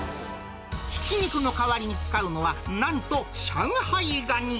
ひき肉の代わりに使うのは、なんと上海ガニ。